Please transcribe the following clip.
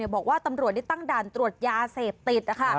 บอกว่าตำรวจได้ตั้งด่านตรวจยาเสพติด